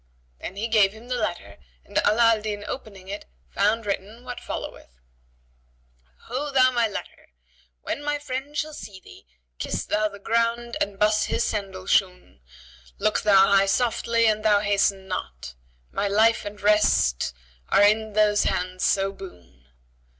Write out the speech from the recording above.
Then he gave him the letter and Ala al Din opening it found written what followeth:[FN#74] "Ho thou my letter! when my friend shall see thee, * Kiss thou the ground and buss his sandal shoon: Look thou hie softly and thou hasten not, * My life and rest are in those hands so boon.